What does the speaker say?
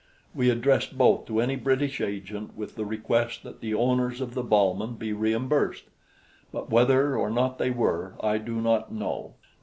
We addressed both to any British agent with the request that the owners of the Balmen be reimbursed; but whether or not they were, I do not know.